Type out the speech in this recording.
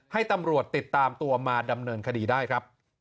ให้ตำรวจติดตามตัวมาดำเนินคดีได้ครับ